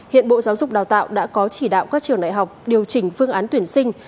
hiện bộ giáo dục đào tạo đã có chỉ đạo các trường đại học điều chỉnh phương án tuyển sinh